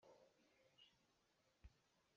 Bawlung chuihnak ah na kal lai maw?